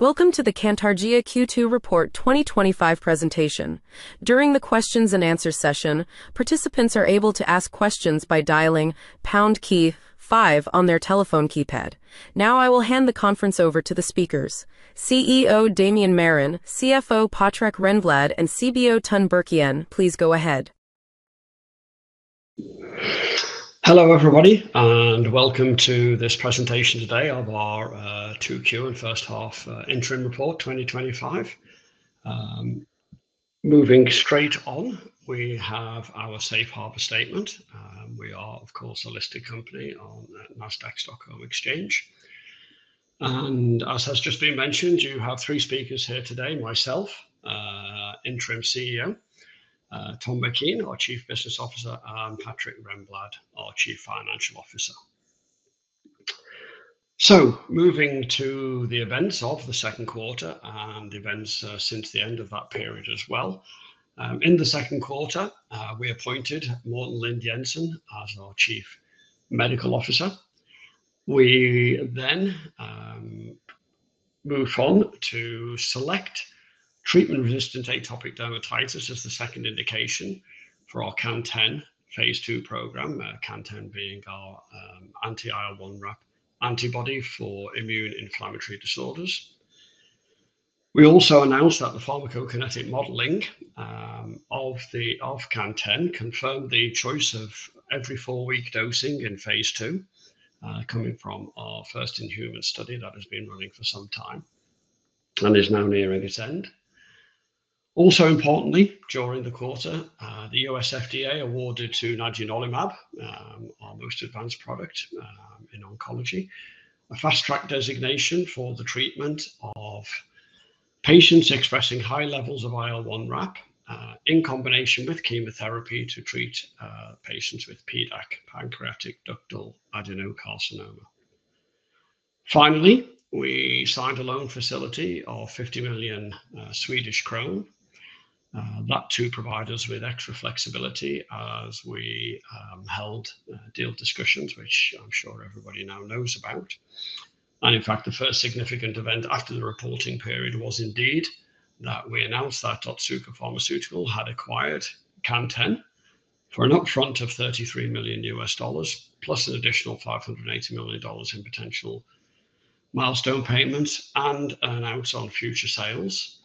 Welcome to the Cantargia Q2 Report 2025 presentation. During the questions and answers session, participants are able to ask questions by dialing #KEY-5 on their telephone keypad. Now, I will hand the conference over to the speakers. CEO Damian Marron, CFO Patrik Renblad, and CBO Ton Berkien, please go ahead. Hello everybody, and welcome to this presentation today of our 2Q and first half interim report 2025. Moving straight on, we have our safe harbor statement. We are, of course, a listed company on the Nasdaq Stockholm Exchange. As has just been mentioned, you have three speakers here today: myself, Interim CEO Damian Marron, our Chief Business Officer Ton Berkien, and Patrik Renblad, our Chief Financial Officer. Moving to the events of the second quarter and the events since the end of that period as well. In the second quarter, we appointed Morten Lind Jensen as our Chief Medical Officer. We then moved on to select treatment-resistant atopic dermatitis as the second indication for our CAN10 phase II program, CAN10 being our anti-IL-1RAP antibody for immune inflammatory disorders. We also announced that the pharmacokinetic modeling of CAN10 confirmed the choice of every four-week dosing in phase II, coming from our first-in-human study that has been running for some time and is now nearing its end. Also importantly, during the quarter, the U.S. FDA awarded to nadunolimab, our most advanced product in oncology, a fast-track designation for the treatment of patients expressing high levels of IL-1RAP in combination with chemotherapy to treat patients with PDAC, metastatic pancreatic ductal adenocarcinoma. Finally, we signed a loan facility of 50 million Swedish crown, that to provide us with extra flexibility as we held deal discussions, which I'm sure everybody now knows about. In fact, the first significant event after the reporting period was indeed that we announced that Otsuka Pharmaceutical had acquired CAN10 for an upfront of $33 million, plus an additional $580 million in potential milestone payments and an ounce on future sales.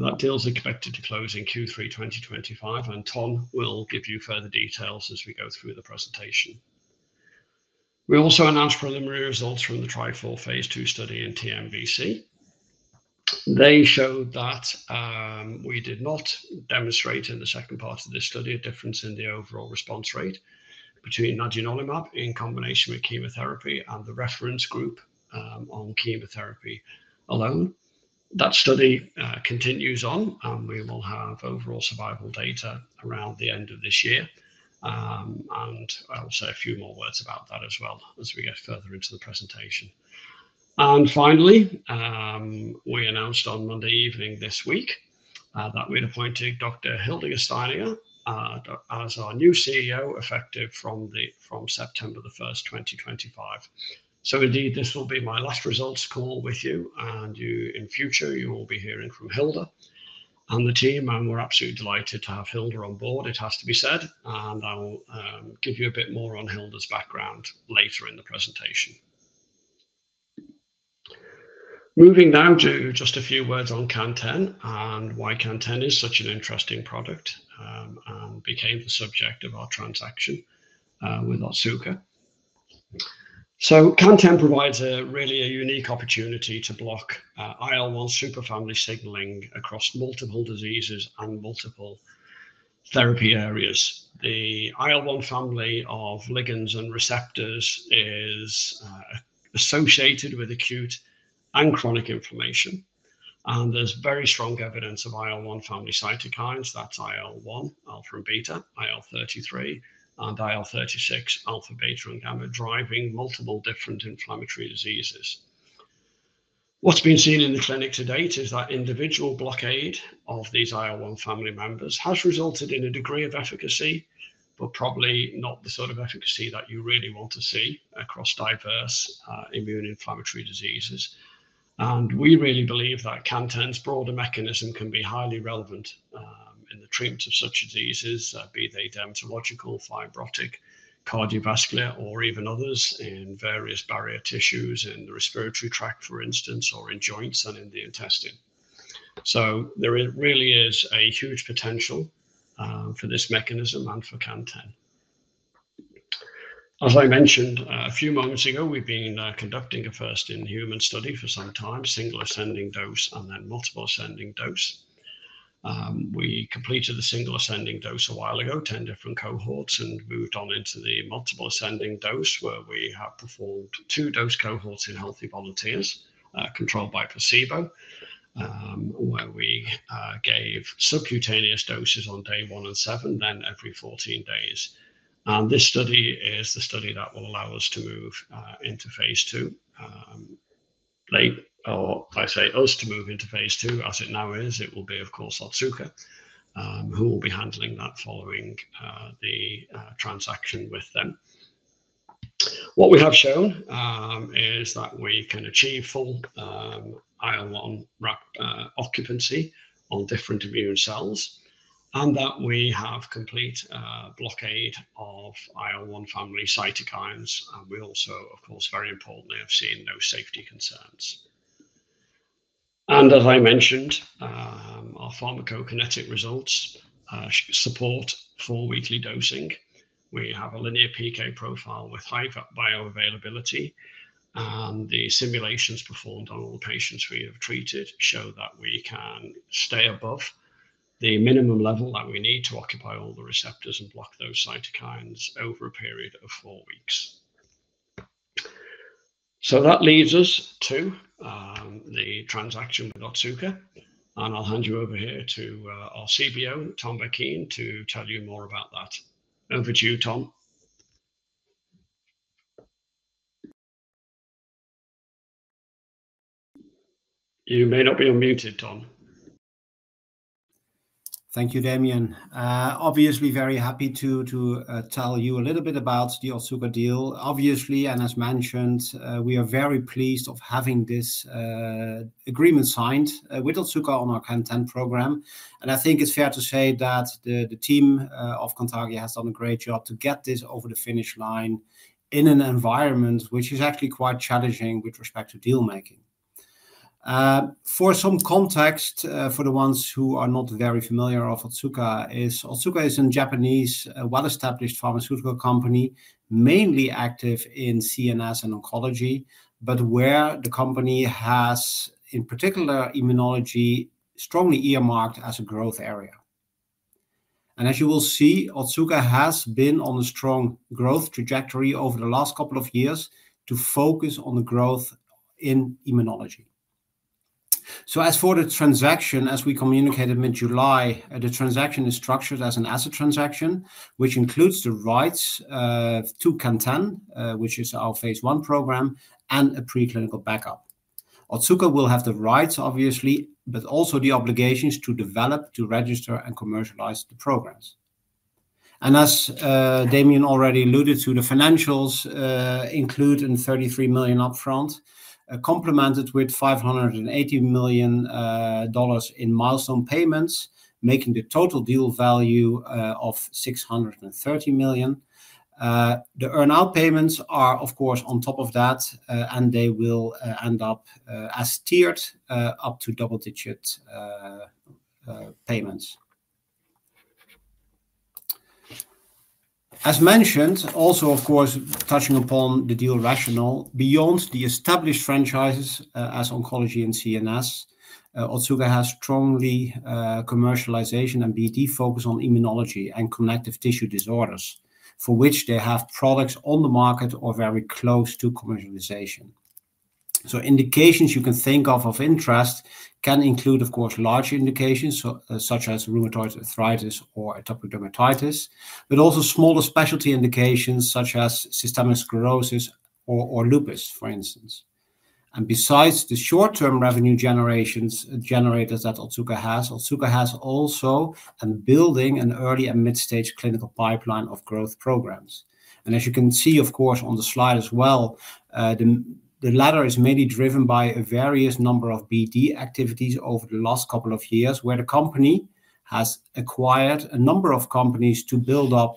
That deal is expected to close in Q3 2025, and Ton will give you further details as we go through the presentation. We also announced preliminary results from the TRIFOUR phase II study in TNBC. They showed that we did not demonstrate in the second part of this study a difference in the overall response rate between nadunolimab in combination with chemotherapy and the reference group on chemotherapy alone. That study continues on, and we will have overall survival data around the end of this year. I'll say a few more words about that as well as we get further into the presentation. Finally, we announced on Monday evening this week that we'd appointed Dr. Hilde Steineger as our new CEO effective from September 1st, 2025. This will be my last results call with you, and in the future, you will be hearing from Hilde and the team. We're absolutely delighted to have Hilde on board, it has to be said. I'll give you a bit more on Hilde's background later in the presentation. Moving now to just a few words on CAN10 and why CAN10 is such an interesting product and became the subject of our transaction with Otsuka. CAN10 provides really a unique opportunity to block IL-1 super family signaling across multiple diseases and multiple therapy areas. The IL-1 family of ligands and receptors is associated with acute and chronic inflammation, and there's very strong evidence of IL-1 family cytokines, that's IL-1 alpha and beta, IL-33, and IL-36 alpha, beta, and gamma, driving multiple different inflammatory diseases. What's been seen in the clinic to date is that individual blockade of these IL-1 family members has resulted in a degree of efficacy, but probably not the sort of efficacy that you really want to see across diverse immune inflammatory diseases. We really believe that CAN10's broader mechanism can be highly relevant in the treatment of such diseases, be they dermatological, fibrotic, cardiovascular, or even others in various barrier tissues in the respiratory tract, for instance, or in joints and in the intestine. There really is a huge potential for this mechanism and for CAN10. As I mentioned a few moments ago, we've been conducting a first-in-human study for some time, single ascending dose and then multiple ascending dose. We completed the single ascending dose a while ago, 10 different cohorts, and moved on into the multiple ascending dose where we have performed two dose cohorts in healthy volunteers controlled by placebo, where we gave subcutaneous doses on day one and seven, then every 14 days. This study is the study that will allow us to move into phase II, or I say us to move into phase II as it now is. It will be, of course, Otsuka who will be handling that following the transaction with them. What we have shown is that we can achieve full IL-1RAP occupancy on different immune cells and that we have complete blockade of IL-1 family cytokines. We also, of course, very importantly, have seen no safety concerns. As I mentioned, our pharmacokinetic results support four-weekly dosing. We have a linear PK profile with high bioavailability, and the simulations performed on all the patients we have treated show that we can stay above the minimum level that we need to occupy all the receptors and block those cytokines over a period of four weeks. That leaves us to the transaction with Otsuka, and I'll hand you over here to our CBO, Ton Berkien, to tell you more about that. Over to you, Ton. You may not be on mute, Ton. Thank you, Damian. Obviously, very happy to tell you a little bit about the Otsuka deal. Obviously, and as mentioned, we are very pleased of having this agreement signed with Otsuka on our CAN10 program. I think it's fair to say that the team of Cantargia has done a great job to get this over the finish line in an environment which is actually quite challenging with respect to deal making. For some context, for the ones who are not very familiar with Otsuka, Otsuka is a Japanese well-established pharmaceutical company, mainly active in CNS and oncology, where the company has, in particular, immunology strongly earmarked as a growth area. As you will see, Otsuka has been on a strong growth trajectory over the last couple of years to focus on the growth in immunology. As for the transaction, as we communicated mid-July, the transaction is structured as an asset transaction, which includes the rights to CAN10, which is our phase I program, and a preclinical backup. Otsuka will have the rights, obviously, but also the obligations to develop, to register, and commercialize the programs. As Damian already alluded to, the financials include $33 million upfront, complemented with $580 million in milestone payments, making the total deal value $630 million. The earned out payments are, of course, on top of that, and they will end up as tiered up to double-digit payments. As mentioned, also, of course, touching upon the deal rationale, beyond the established franchises as oncology and CNS, Otsuka has strongly commercialization and BD focus on immunology and connective tissue disorders, for which they have products on the market or very close to commercialization. Indications you can think of of interest can include, of course, large indications such as rheumatoid arthritis or atopic dermatitis, but also smaller specialty indications such as systemic sclerosis or lupus, for instance. Besides the short-term revenue generations that Otsuka has, Otsuka has also been building an early and mid-stage clinical pipeline of growth programs. As you can see, of course, on the slide as well, the latter is mainly driven by a various number of BD activities over the last couple of years, where the company has acquired a number of companies to build up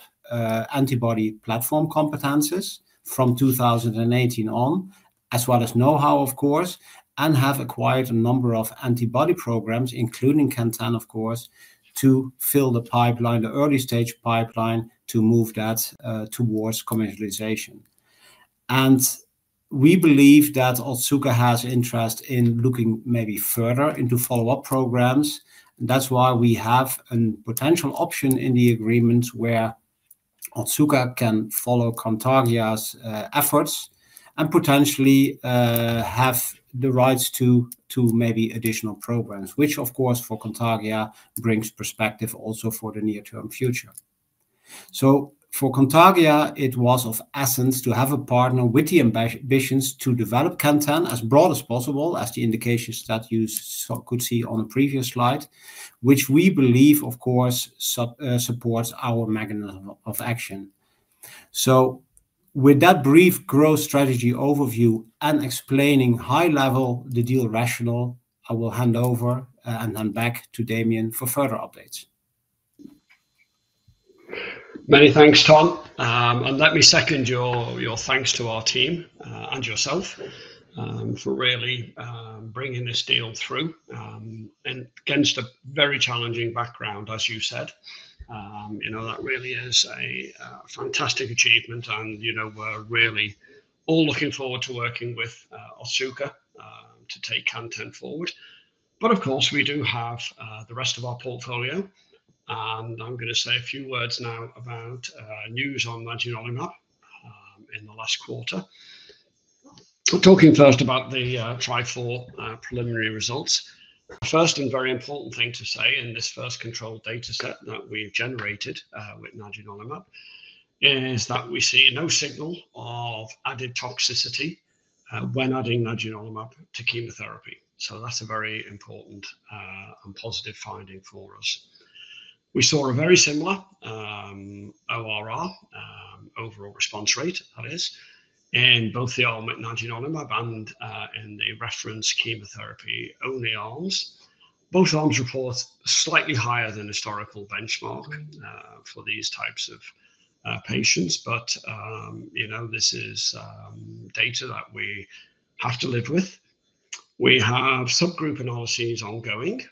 antibody platform competencies from 2018 on, as well as know-how, of course, and have acquired a number of antibody programs, including CAN10, of course, to fill the pipeline, the early-stage pipeline, to move that towards commercialization. We believe that Otsuka has interest in looking maybe further into follow-up programs. That is why we have a potential option in the agreements where Otsuka can follow Cantargia's efforts and potentially have the rights to maybe additional programs, which, of course, for Cantargia brings perspective also for the near-term future. For Cantargia, it was of essence to have a partner with the ambitions to develop CAN10 as broad as possible, as the indications that you could see on a previous slide, which we believe, of course, supports our mechanism of action. With that brief growth strategy overview and explaining high level the deal rationale, I will hand over and hand back to Damian for further updates. Many thanks, Tom. Let me second your thanks to our team and yourself for really bringing this deal through. Against a very challenging background, as you said, that really is a fantastic achievement. We're really all looking forward to working with Otsuka to take CAN10 forward. Of course, we do have the rest of our portfolio. I'm going to say a few words now about news on nadunolimab in the last quarter. Talking first about the TRIFOUR preliminary results, the first and very important thing to say in this first controlled data set that we've generated with nadunolimab is that we see no signal of added toxicity when adding nadunolimab to chemotherapy. That's a very important and positive finding for us. We saw a very similar overall response rate, that is, in both the nadunolimab and in the reference chemotherapy-only arms. Both arms report slightly higher than historical benchmark for these types of patients. This is data that we have to live with. We have subgroup analyses ongoing.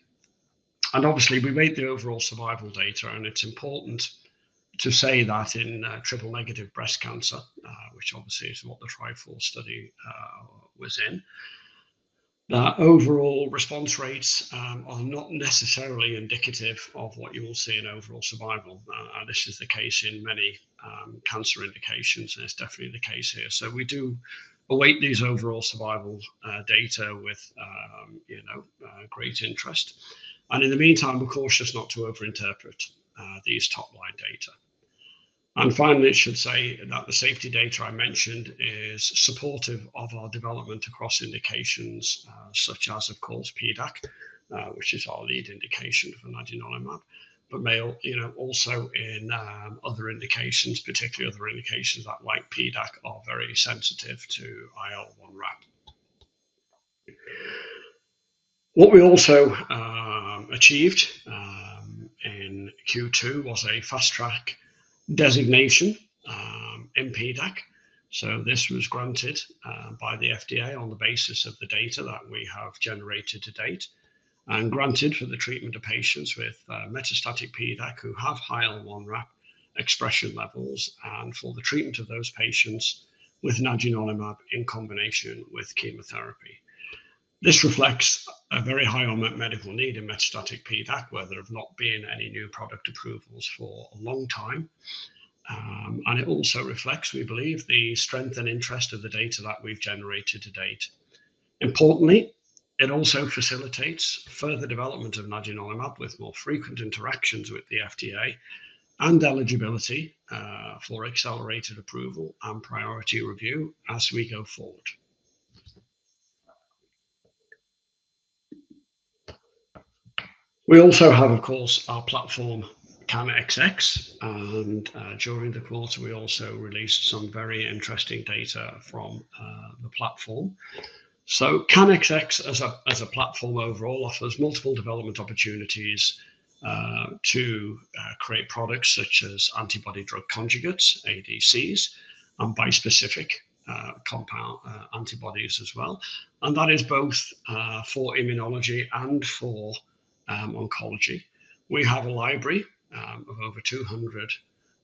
We made the overall survival data, and it's important to say that in triple-negative breast cancer, which is what the TRIFOUR study was in, overall response rates are not necessarily indicative of what you will see in overall survival. This is the case in many cancer indications, and it's definitely the case here. We do await these overall survival data with great interest. In the meantime, just not to overinterpret these top-line data. Finally, I should say that the safety data I mentioned is supportive of our development across indications such as PDAC, which is our lead indication for nadunolimab, but also in other indications, particularly other indications that, like PDAC, are very sensitive to IL-1RAP. What we also achieved in Q2 was a fast-track designation in PDAC. This was granted by the FDA on the basis of the data that we have generated to date and granted for the treatment of patients with metastatic PDAC who have IL-1RAP expression levels and for the treatment of those patients with nadunolimab in combination with chemotherapy. This reflects a very high medical need in metastatic PDAC, where there have not been any new product approvals for a long time. It also reflects, we believe, the strength and interest of the data that we've generated to date. Importantly, it also facilitates further development of nadunolimab with more frequent interactions with the FDA and eligibility for accelerated approval and priority review as we go forward. We also have, of course, our platform CANxx. During the quarter, we also released some very interesting data from the platform. CANxx, as a platform overall, offers multiple development opportunities to create products such as antibody-drug conjugates, ADCs, and bispecific compound antibodies as well. That is both for immunology and for oncology. We have a library of over 200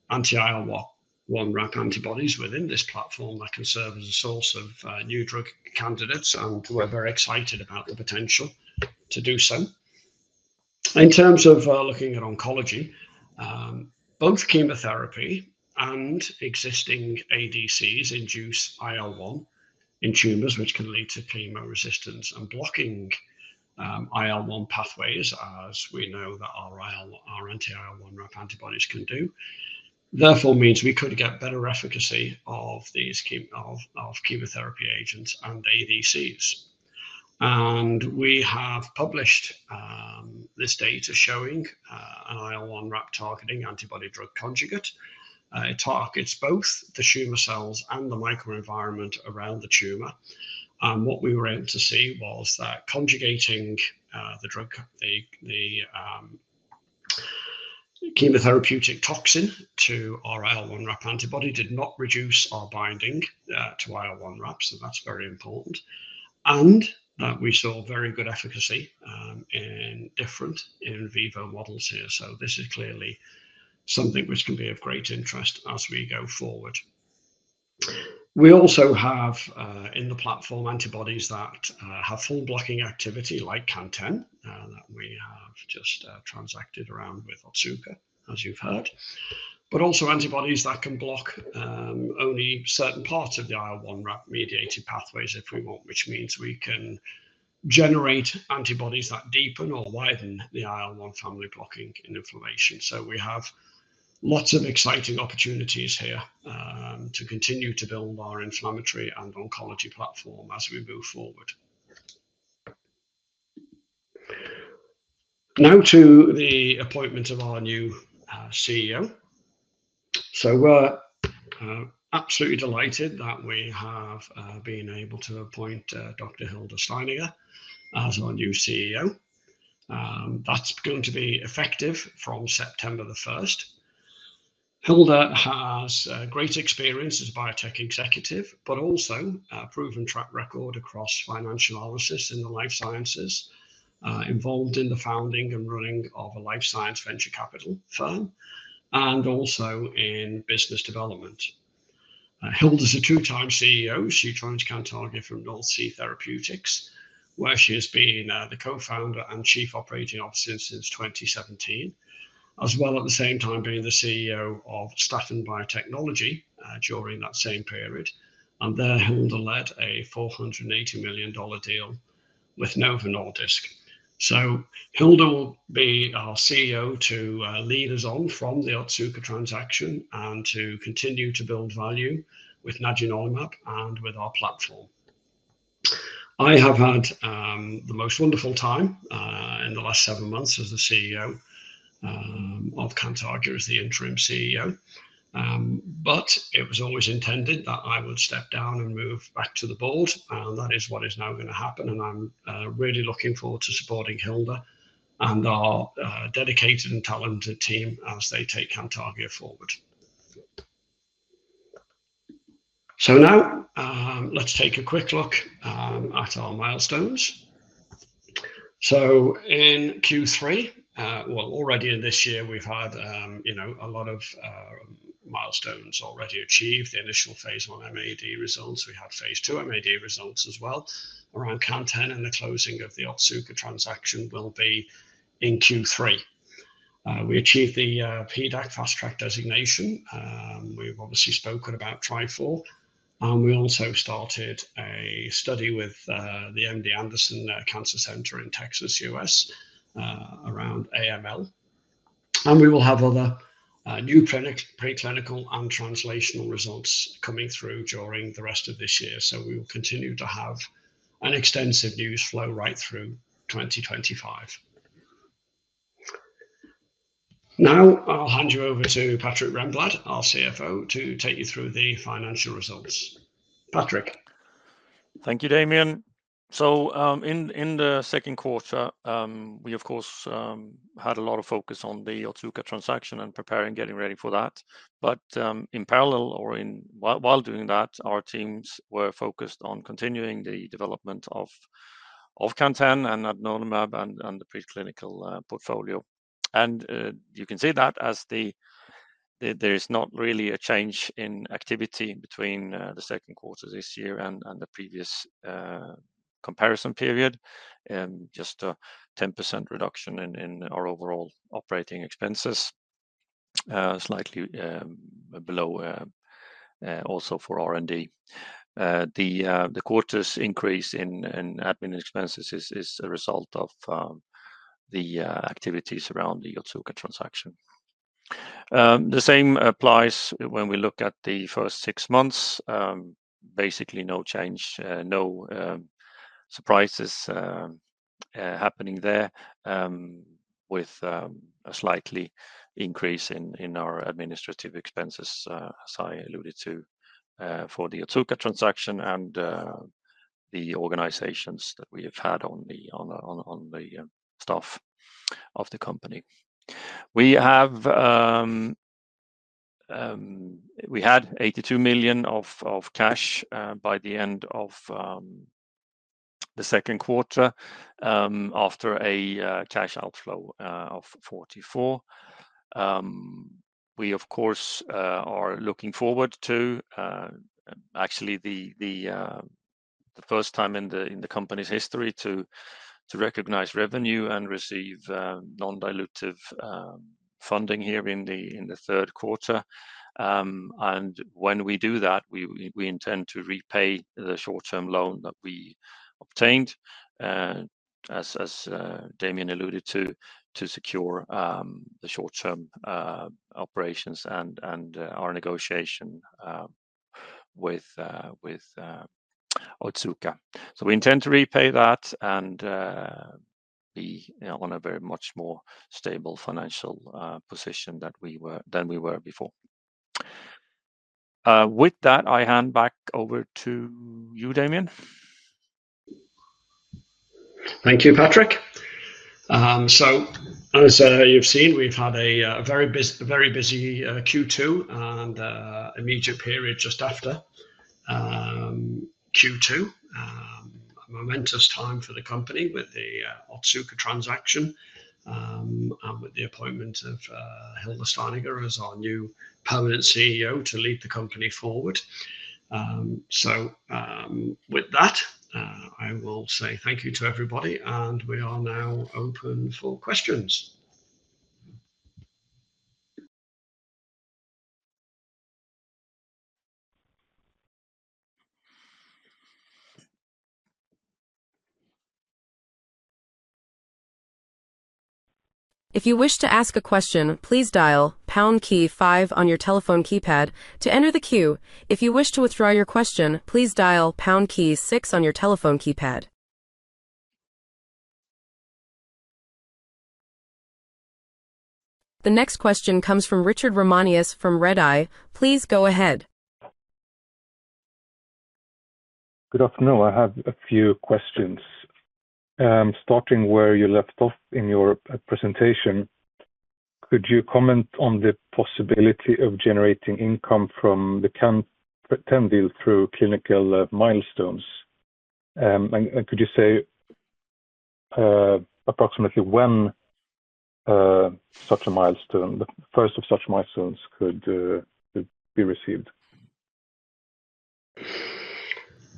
anti-IL-1RAP antibodies within this platform that can serve as a source of new drug candidates, and we're very excited about the potential to do so. In terms of looking at oncology, both chemotherapy and existing ADCs induce IL-1 in tumors, which can lead to chemo resistance, and blocking IL-1 pathways, as we know that our anti-IL-1RAP antibodies can do. Therefore, it means we could get better efficacy of these chemotherapy agents and ADCs. We have published this data showing an IL-1RAP targeting antibody-drug conjugate. It targets both the tumor cells and the microenvironment around the tumor. What we were able to see was that conjugating the chemotherapeutic toxin to our IL-1RAP antibody did not reduce our binding to IL-1RAP. That's very important. We saw very good efficacy in different in vivo models here. This is clearly something which can be of great interest as we go forward. We also have in the platform antibodies that have full blocking activity, like CAN10, that we have just transacted around with Otsuka, as you've heard. We also have antibodies that can block only certain parts of the IL-1RAP-mediated pathways if we want, which means we can generate antibodies that deepen or widen the IL-1 family blocking inflammation. We have lots of exciting opportunities here to continue to build our inflammatory and oncology platform as we move forward. Now to the appointment of our new CEO. We're absolutely delighted that we have been able to appoint Dr. Hilde Steineger as our new CEO. That's going to be effective from September 1st. Hilde has great experience as a biotech executive, but also a proven track record across financial analysis in the life sciences, involved in the founding and running of a life science venture capital firm, and also in business development. Hilde is a two-time CEO. She joins Cantargia from NorthSea Therapeutics, where she has been the Co-Founder and Chief Operating Officer since 2017, as well at the same time being the CEO of Stratton Biotechnology during that same period. There, Hilde led a $480 million deal with Novo Nordisk. Hilde will be our CEO to lead us on from the Otsuka transaction and to continue to build value with nadunolimab and with our platform. I have had the most wonderful time in the last seven months as the CEO of Cantargia as the Interim CEO. It was always intended that I would step down and move back to the board. That is what is now going to happen. I'm really looking forward to supporting Hilde and our dedicated and talented team as they take Cantargia forward. Now let's take a quick look at our milestones. In Q3, already in this year, we've had a lot of milestones already achieved. The initial phase I MAD results. We had phase II MAD results as well around CAN10 and the closing of the Otsuka transaction will be in Q3. We achieved the PDAC fast-track designation. We've obviously spoken about TRIFOUR. We also started a study with the MD Anderson Cancer Center in Texas, U.S., around AML. We will have other new preclinical and translational results coming through during the rest of this year. We will continue to have an extensive news flow right through 2025. Now I'll hand you over to Patrik Renblad, our CFO, to take you through the financial results. Patrik. Thank you, Damian. In the second quarter, we, of course, had a lot of focus on the Otsuka transaction and preparing and getting ready for that. In parallel, our teams were focused on continuing the development of CAN10 and nadunolimab and the preclinical portfolio. You can see that as there is not really a change in activity between the second quarter this year and the previous comparison period, just a 10% reduction in our overall operating expenses, slightly below also for R&D. The quarter's increase in admin expenses is a result of the activities around the Otsuka transaction. The same applies when we look at the first six months. Basically, no change, no surprises happening there, with a slight increase in our administrative expenses, as I alluded to, for the Otsuka transaction and the organizations that we have had on the staff of the company. We had 82 million of cash by the end of the second quarter after a cash outflow of 44 million. We, of course, are looking forward to, actually, the first time in the company's history to recognize revenue and receive non-dilutive funding here in the third quarter. When we do that, we intend to repay the short-term loan that we obtained, as Damian alluded to, to secure the short-term operations and our negotiation with Otsuka. We intend to repay that and be on a very much more stable financial position than we were before. With that, I hand back over to you, Damian. Thank you, Patrik. As you've seen, we've had a very busy Q2 and immediate period just after Q2. A momentous time for the company with the Otsuka Pharmaceutical transaction and with the appointment of Hilde Steineger as our new permanent CEO to lead the company forward. With that, I will say thank you to everybody, and we are now open for questions. If you wish to ask a question, please dial #KEY-5 on your telephone keypad to enter the queue. If you wish to withdraw your question, please dial #KEY-6 on your telephone keypad. The next question comes from Richard Ramanius from Redeye. Please go ahead. Good afternoon. I have a few questions. Starting where you left off in your presentation, could you comment on the possibility of generating income from the CAN10 deal through clinical milestones? Could you say approximately when such a milestone, the first of such milestones, could be received?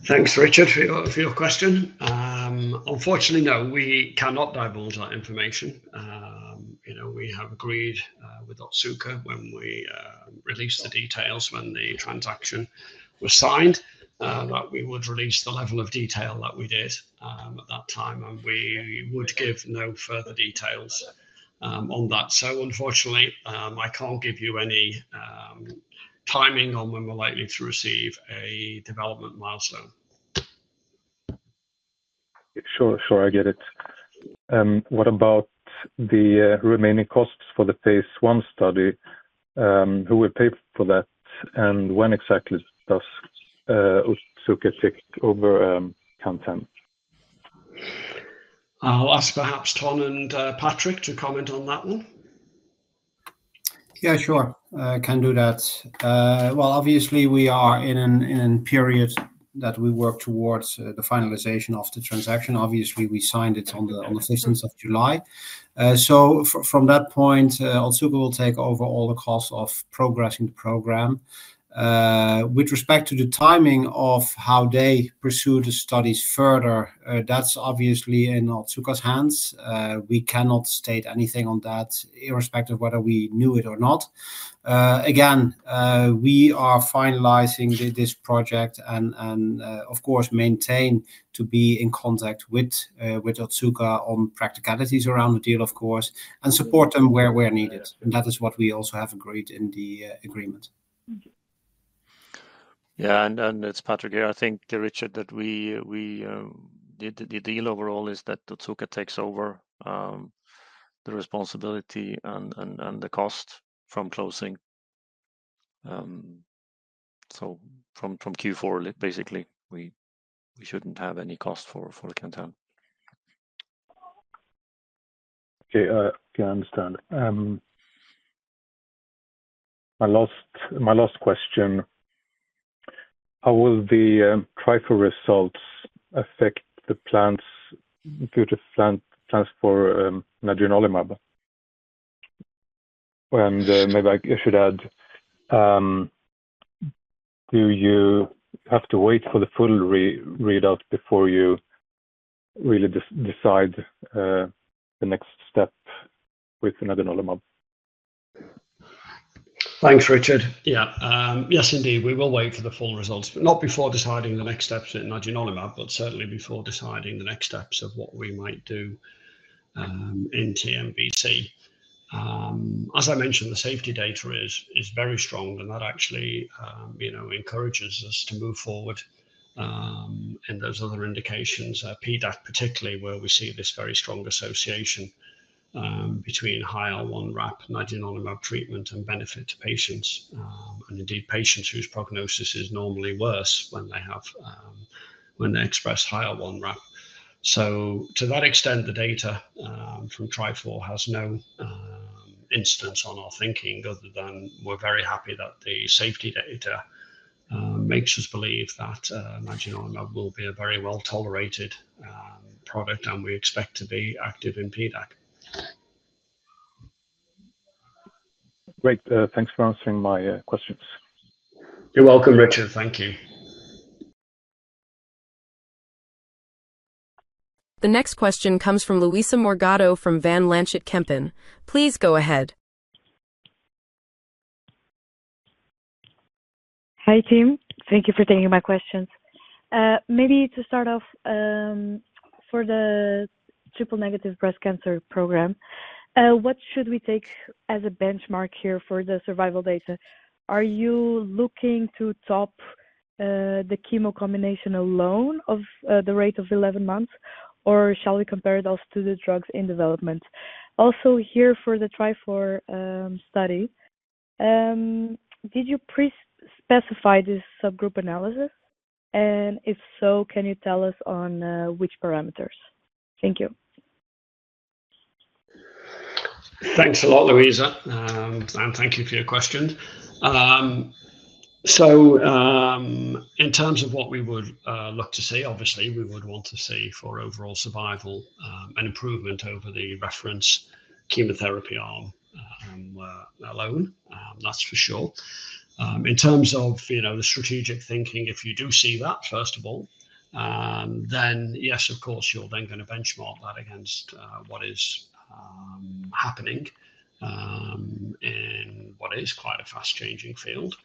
Thanks, Richard, for your question. Unfortunately, no, we cannot divulge that information. We have agreed with Otsuka when we released the details when the transaction was signed that we would release the level of detail that we did at that time, and we would give no further details on that. Unfortunately, I can't give you any timing on when we're likely to receive a development milestone. Sure, I get it. What about the remaining costs for the phase I study? Who will pay for that, and when exactly does Otsuka take over CAN10? I'll ask perhaps Ton and Patrik to comment on that one. Sure, I can do that. Obviously, we are in a period that we work towards the finalization of the transaction. We signed it on the 15th of July. From that point, Otsuka will take over all the costs of progressing the program. With respect to the timing of how they pursue the studies further, that's obviously in Otsuka's hands. We cannot state anything on that, irrespective of whether we knew it or not. We are finalizing this project and, of course, maintain to be in contact with Otsuka Pharmaceutical on practicalities around the deal and support them where needed. That is what we also have agreed in the agreement. Yeah, and it's Patrik here. I think, Richard, that we did the deal overall is that Otsuka takes over the responsibility and the cost from closing. From Q4, basically, we shouldn't have any cost for CAN10. Okay, I understand. My last question. How will the TRIFOUR results affect the plans for nadunolimab? Maybe I should add, do you have to wait for the full readout before you really decide the next step with nadunolimab? Thanks, Richard. Yes, indeed. We will wait for the full results, but not before deciding the next steps in nadunolimab, but certainly before deciding the next steps of what we might do in TNBC. As I mentioned, the safety data is very strong, and that actually encourages us to move forward in those other indications, PDAC particularly, where we see this very strong association between high IL-1RAP and nadunolimab treatment and benefit to patients, and indeed patients whose prognosis is normally worse when they express high IL-1RAP. To that extent, the data from TRIFOUR has no incidence on our thinking other than we're very happy that the safety data makes us believe that nadunolimab will be a very well-tolerated product, and we expect to be active in PDAC. Great. Thanks for answering my questions. You're welcome, Richard. Thank you. The next question comes from Luísa Morgado from Van Lanschot Kempen. Please go ahead. Hi team. Thank you for taking my questions. Maybe to start off, for the triple-negative breast cancer program, what should we take as a benchmark here for the survival data? Are you looking to top the chemo combination alone at the rate of 11 months, or should we compare those to the drugs in development? Also, for the TRIFOUR study, did you pre-specify this subgroup analysis? If so, can you tell us on which parameters? Thank you. Thanks a lot, Luisa. Thank you for your questions. In terms of what we would look to see, obviously, we would want to see for overall survival an improvement over the reference chemotherapy arm alone. That's for sure. In terms of the strategic thinking, if you do see that, first of all, then yes, of course, you're then going to benchmark that against what is happening in what is quite a fast-changing field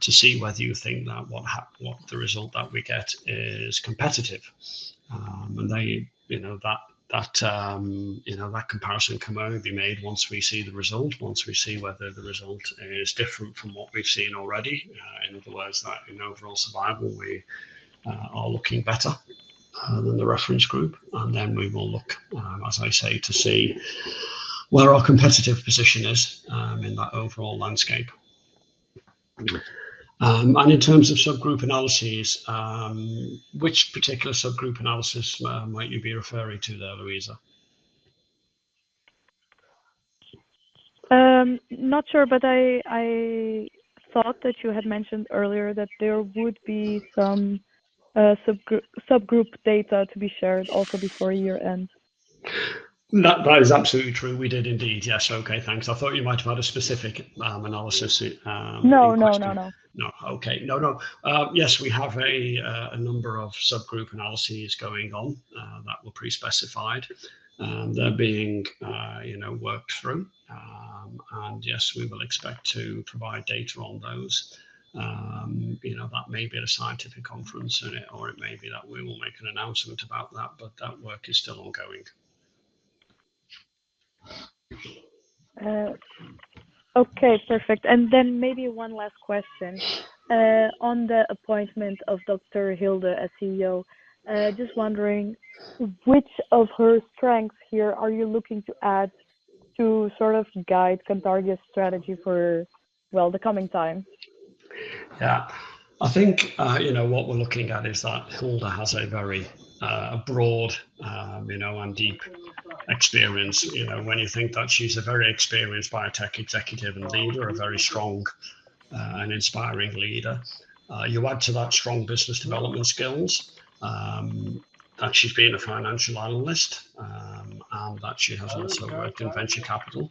to see whether you think that the result that we get is competitive. That comparison can only be made once we see the result, once we see whether the result is different from what we've seen already. In other words, that in overall survival, we are looking better than the reference group. We will look, as I say, to see where our competitive position is in that overall landscape. In terms of subgroup analyses, which particular subgroup analysis might you be referring to there, Luisa? Not sure, but I thought that you had mentioned earlier that there would be some subgroup data to be shared also before year end. That is absolutely true. We did indeed. Yes, okay, thanks. I thought you might have had a specific analysis. No, no, no. Yes, we have a number of subgroup analyses going on that were pre-specified. They're being worked through, and yes, we will expect to provide data on those. You know that may be at a scientific conference, or it may be that we will make an announcement about that, but that work is still ongoing. Okay. Perfect. Maybe one last question on the appointment of Dr. Hilde as CEO. Just wondering, which of her strengths here are you looking to add to sort of guide Cantargia's strategy for the coming time? I think you know what we're looking at is that Hilde has a very broad and deep experience. You know when you think that she's a very experienced biotech executive and leader, a very strong and inspiring leader, you add to that strong business development skills, that she's been a financial analyst, and that she has also worked in venture capital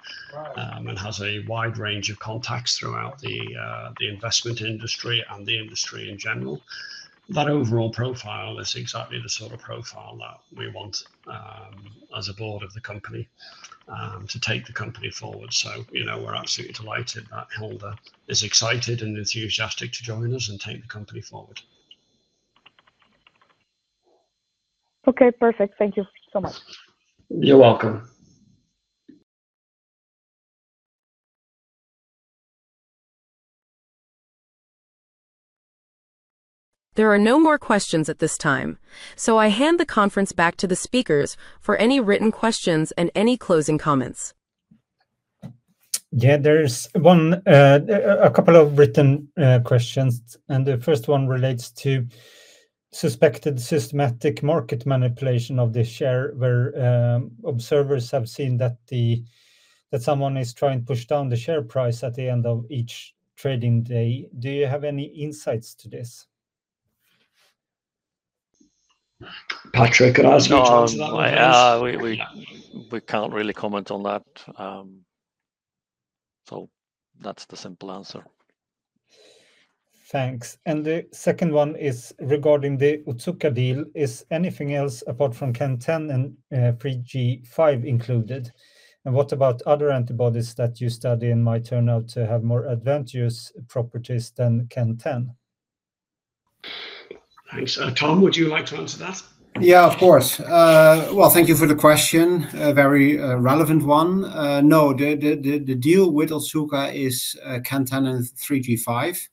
and has a wide range of contacts throughout the investment industry and the industry in general. That overall profile is exactly the sort of profile that we want as a Board of the company to take the company forward. We're absolutely delighted that Hilde is excited and enthusiastic to join us and take the company forward. Okay. Perfect. Thank you so much. You're welcome. There are no more questions at this time. I hand the conference back to the speakers for any written questions and any closing comments. Yeah, there's a couple of written questions. The first one relates to suspected systematic market manipulation of the share, where observers have seen that someone is trying to push down the share price at the end of each trading day. Do you have any insights to this? Patrik, I asked me to answer that. We can't really comment on that. That's the simple answer. Thanks. The second one is regarding the Otsuka deal. Is anything else apart from CAN10 and 3G5 included? What about other antibodies that you study and might turn out to have more advantageous properties than CAN10? Tom, would you like to answer that? Of course. Thank you for the question. A very relevant one. No, the deal with Otsukais CAN10 and 3G5.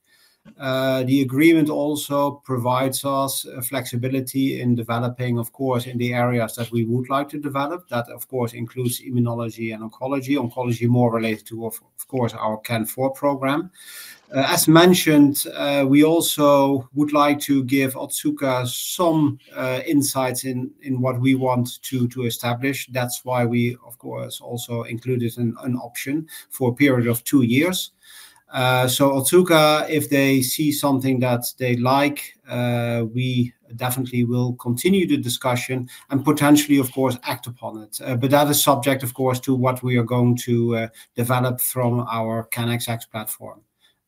The agreement also provides us flexibility in developing, of course, in the areas that we would like to develop. That, of course, includes immunology and oncology. Oncology more relates to, of course, our CAN04 program. As mentioned, we also would like to give Otsuka some insights in what we want to establish. That's why we, of course, also included an option for a period of two years. Otsuka, if they see something that they like, we definitely will continue the discussion and potentially, of course, act upon it. That is subject, of course, to what we are going to develop from our CANxx platform.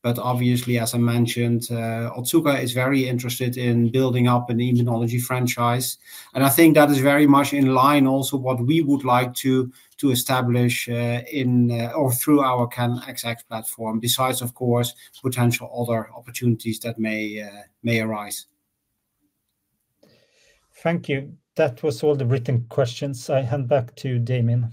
Obviously, as I mentioned, Otsuka is very interested in building up an immunology franchise. I think that is very much in line also with what we would like to establish through our CANxx platform, besides, of course, potential other opportunities that may arise. Thank you. That was all the written questions. I hand back to Damian.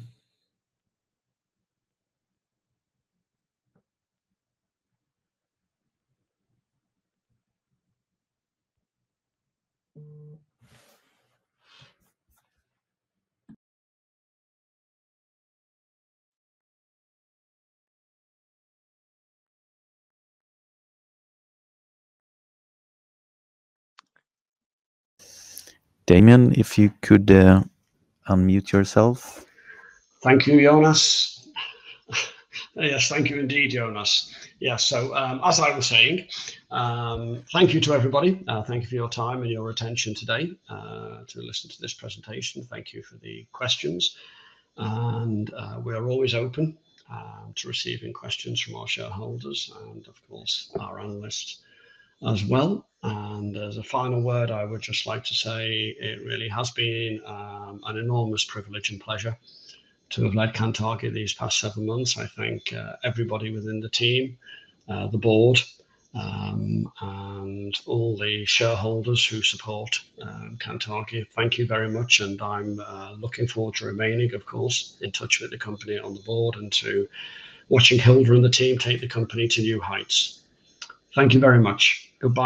Damian, if you could unmute yourself. Thank you, Jonas. Yes, thank you indeed, Jonas. As I was saying, thank you to everybody. Thank you for your time and your attention today to listen to this presentation. Thank you for the questions. We are always open to receiving questions from our shareholders and, of course, our analysts as well. As a final word, I would just like to say it really has been an enormous privilege and pleasure to have led Cantargia these past seven months. I thank everybody within the team, the board, and all the shareholders who support Cantargia. Thank you very much. I'm looking forward to remaining, of course, in touch with the company on the board and to watching Hilde and the team take the company to new heights. Thank you very much. Goodbye.